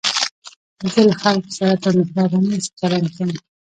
زه له خلکو سره په مهربانۍ چلند کوم.